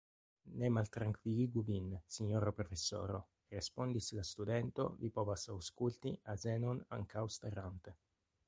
Ne maltrankviligu vin, sinjoro profesoro, respondis la studento, mi povas aŭskulti azenon ankaŭ starante.